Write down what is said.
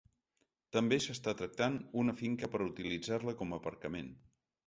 També s’està tractant una finca per utilitzar-la com a aparcament.